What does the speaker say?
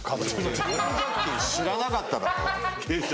知らなかっただろ。